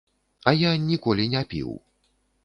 А я ніколі не піў.